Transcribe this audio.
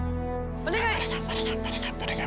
お願い！